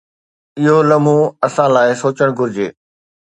اهو لمحو اسان لاءِ سوچڻ گهرجي.